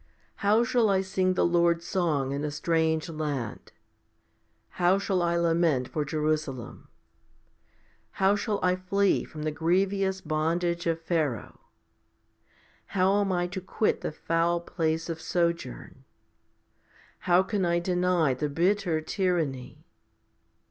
How shall I sing the Lord's song in a strange land ? 10 How shall I lament for Jerusalem ? How shall I flee from the grievous bondage of Pharaoh ? How am I to quit the foul place of sojourn ? How can I deny the bitter tyranny?